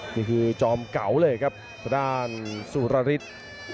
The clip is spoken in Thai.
นี่คือจอมเก่าเลยครับทางด้านสุรฤทธิ์